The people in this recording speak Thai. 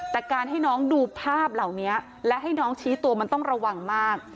แต่การให้น้องดูภาพเหล่านี้และให้น้องชี้ตัวมันต้องระวังมาก